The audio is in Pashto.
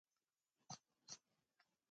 • کارګرانو له کلیو ښارونو ته ولاړل.